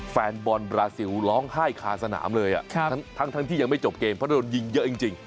แฟนบอลบราซิลร้องไห้คาสนามเลยทั้งที่ยังไม่จบเกมเพราะโดนยิงเยอะจริง